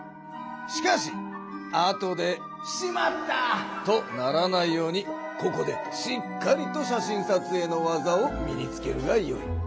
しかし後で「しまった！」とならないようにここでしっかりと写真撮影の技を身につけるがよい。